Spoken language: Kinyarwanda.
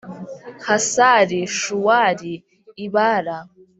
Hasari Shuwali i Bala